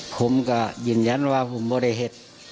ผมก็ยืนยันว่าผมไม่ได้เห็น